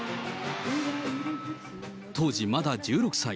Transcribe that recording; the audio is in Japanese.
当時まだ１６歳。